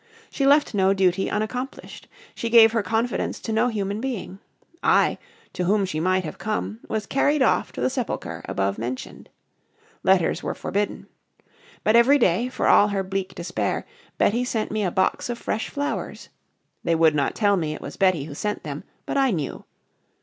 She left no duty unaccomplished. She gave her confidence to no human being. I, to whom she might have come, was carried off to the sepulchre above mentioned. Letters were forbidden. But every day, for all her bleak despair, Betty sent me a box of fresh flowers. They would not tell me it was Betty who sent them; but I knew.